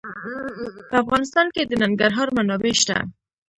په افغانستان کې د ننګرهار منابع شته.